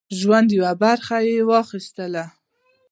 ژوند یوه برخه یې واخیستله.